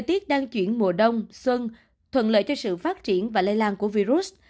trang chuyển mùa đông xuân thuận lợi cho sự phát triển và lây lan của virus